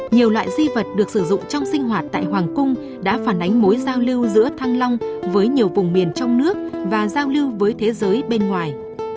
nhiều loại di vật được sử dụng trong sinh hoạt tại hoàng cung đã phản ánh mối giao lưu giữa thăng long với nhiều vùng miền trong nước và giao lưu với thế giới bên ngoài